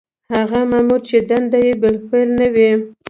هغه مامور چې دنده یې بالفعل نه وي.